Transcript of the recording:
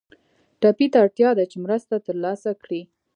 ټپي ته اړتیا ده چې مرسته تر لاسه کړي.